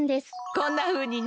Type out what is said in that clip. こんなふうにね。